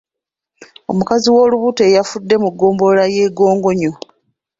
Omukazi w’olubuto eyafudde mu ggombolola y’e Gogonyo.